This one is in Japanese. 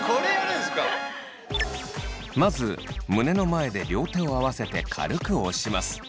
まず胸の前で両手を合わせて軽く押します。